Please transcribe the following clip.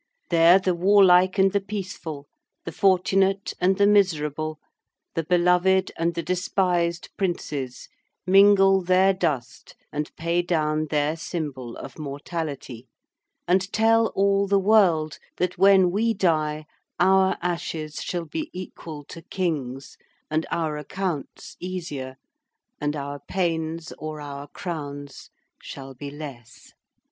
There the warlike and the peaceful, the fortunate and the miserable, the beloved and the despised princes mingle their dust and pay down their symbol of mortality; and tell all the world that when we die our ashes shall be equal to kings, and our accounts easier, and our pains or our crowns shall be less.'